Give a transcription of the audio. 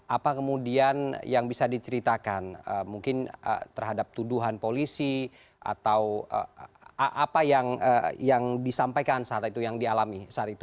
apa kemudian yang bisa diceritakan mungkin terhadap tuduhan polisi atau apa yang disampaikan saat itu yang dialami saat itu